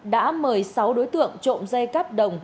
đã mời sáu đối tượng trộm dây cắp đồng